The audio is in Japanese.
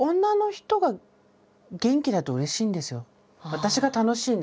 私が楽しいんです。